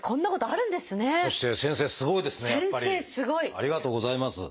ありがとうございます。